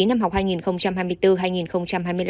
năm học hai nghìn hai mươi bốn hai nghìn hai mươi năm